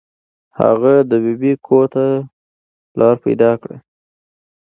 هغه د ببۍ کور ته لاره پیدا کړه.